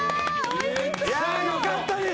いやよかったです。